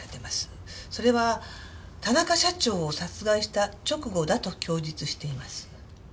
それは田中社長を殺害した直後だと供述しています。